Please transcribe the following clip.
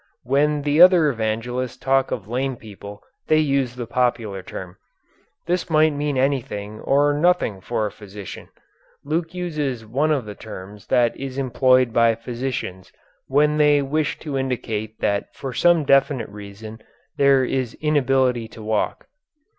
When the other evangelists talk of lame people they use the popular term. This might mean anything or nothing for a physician. Luke uses one of the terms that is employed by physicians when they wish to indicate that for some definite reason there is inability to walk.